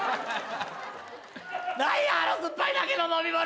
何やあの酸っぱいだけの飲み物。